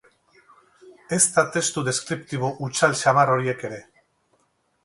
Ezta testu deskriptibo hutsal samar horiek ere.